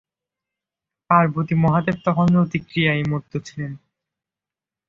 পার্বতী-মহাদেব তখন রতি ক্রিয়ায় মত্ত ছিলেন।